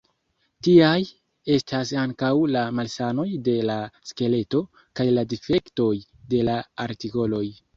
Tiaj estas ankaŭ la malsanoj de la skeleto, kaj la difektoj de la artikoloj.